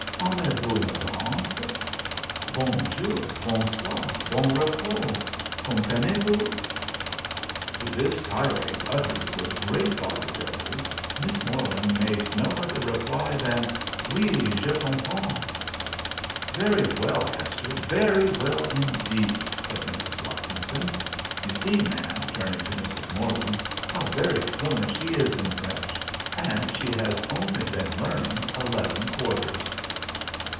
Aimez vous la danse? Bon jour—bon soir—bon repos. Comprenez vous?_" To this tirade, uttered with great volubility, Miss Morland made no other reply than, "Oui—je comprens." "Very well, Hester—very well indeed," said Mrs. Watkinson. "You see, ma'am," turning to Mrs. Morland, "how very fluent she is in French; and she has only been learning eleven quarters."